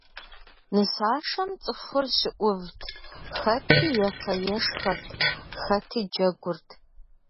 Нысашэм цӀыхур щыӀувт, хэти ефэ-ешхэрт, хэти джэгурт.